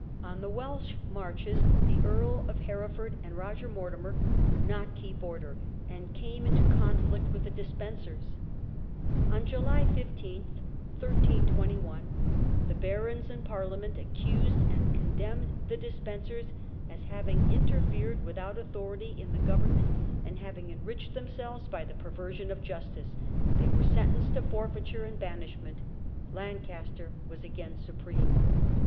On the Welsh marches the Earl of Hereford and Roger Mortimer would not keep order, and came into conflict with the Despensers. On July 15, 132 1, the barons in Parliament accused and condemned the Despensers as having interfered without authority in tlie government and having enriched them I02 THE king's RULE. selves by the perversion of justice. They were sentenced to forfeiture and banishment. Lancaster was again supreme.